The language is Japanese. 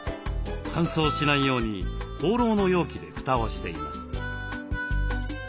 乾燥しないようにほうろうの容器で蓋をしています。